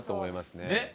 ねっ！